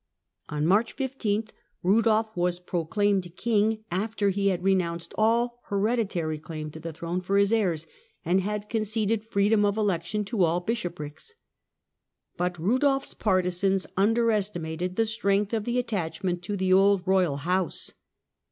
On March 15, Eudolf was proclaimed king, after Election of he had renounced all hereditary claim to the throne for Rudolf •' ofSwabii his hcirs, and had conceded freedom of election to all bishoprics. But Eudolf's partisans underestimated the strength of the attachment to the old royal house.